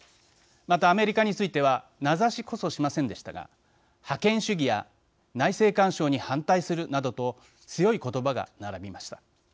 またアメリカについては名指しこそしませんでしたが覇権主義や内政干渉に反対するなどと強い言葉が並びました。